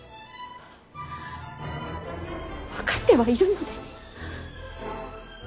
分かってはいるのです。